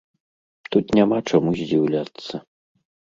Тут няма чаму здзіўляцца.